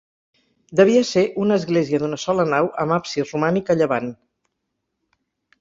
Devia ser una església d'una sola nau, amb absis romànic a llevant.